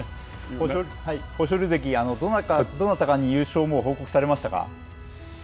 豊昇龍関、どなたかに優勝をもう報告されましたか。